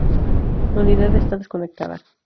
La unidad esta "desconectada".